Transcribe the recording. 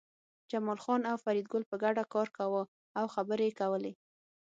جمال خان او فریدګل په ګډه کار کاوه او خبرې یې کولې